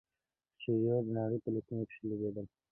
سټیو و د نړۍ په لیګونو کښي لوبېدلی.